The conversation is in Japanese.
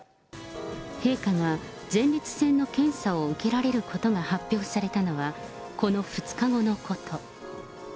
陛下が前立腺の検査を受けられることが発表されたのは、この２日後のこと。